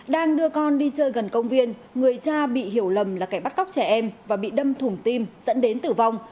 đang đưa con đi chơi gần công viên người cha bị hiểu lầm là kẻ bắt cóc trẻ em và bị đâm thủng tim dẫn đến tử vong